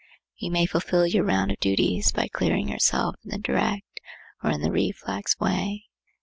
You may fulfil your round of duties by clearing yourself in the direct, or in the reflex way.